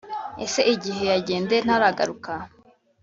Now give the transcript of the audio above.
ese igihe yagendeye ntaragaruka